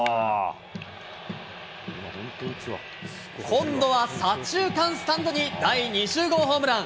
今度は左中間スタンドに第２０号ホームラン。